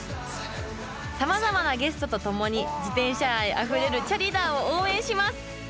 さまざまなゲストと共に自転車愛あふれるチャリダーを応援します！